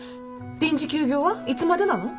臨時休業はいつまでなの？